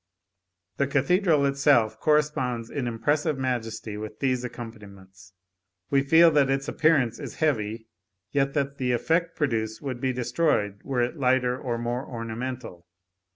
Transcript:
The Cathedral itself corresponds in impressive majesty with these accompaniments. We feel that its appearance is heavy, yet that the effect produced would be destroyed were it lighter or more ornamental.